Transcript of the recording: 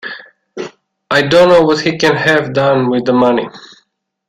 I don't know what he can have done with the money.